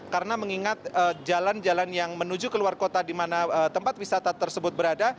karena mengingat jalan jalan yang menuju ke luar kota di mana tempat wisata tersebut berada